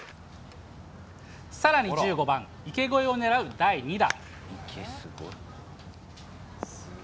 さらに１５番、池越えを狙う第２打。